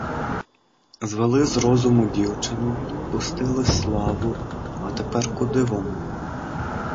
Звели з розуму дівчину, пустили славу, а тепер куди вона?